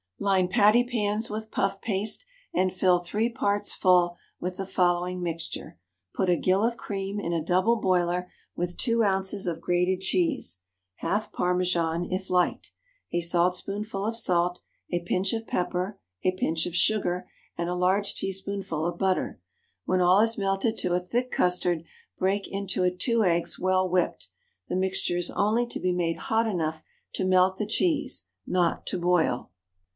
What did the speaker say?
_ Line patty pans with puff paste, and fill three parts full with the following mixture: put a gill of cream in a double boiler with two ounces of grated cheese (half Parmesan if liked), a saltspoonful of salt, a pinch of pepper, a pinch of sugar, and a large teaspoonful of butter; when all is melted to a thick custard, break into it two eggs well whipped. The mixture is only to be made hot enough to melt the cheese, not to boil.